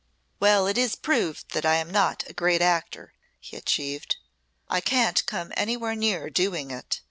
"Well it is proved that I am not a great actor," he achieved. "I can't come anywhere near doing it.